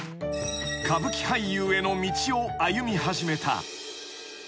［歌舞伎俳優への道を歩み始めた］